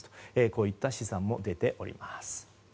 こういった試算も出ております。